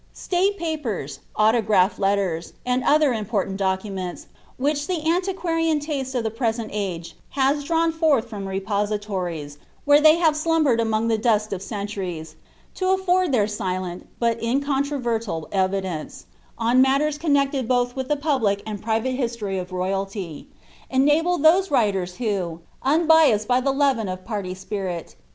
State papers, autograph letters, and other im portant documents, which the antiquarian taste of the present age has drawn forth, firom repositories, where they have slumbered among tlie dust of centuries, to afford their silent, but incontrovertible evidence, an matti^rs connected both with the public and private V\\sXot^ o* I royalty, enable those writers who, unbiassed by ihe learMi of pvrtj ■pirit.